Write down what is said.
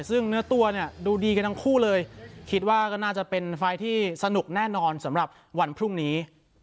ซึ่งเนื้อตัวเนี่ยดูดีกันทั้งคู่เลยคิดว่าก็น่าจะเป็นไฟล์ที่สนุกแน่นอนสำหรับวันพรุ่งนี้